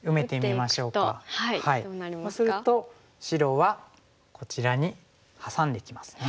そうすると白はこちらにハサんできますね。